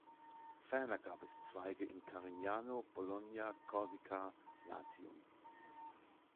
Ferner gab es Zweige in Carignano, Bologna, Korsika, Latium.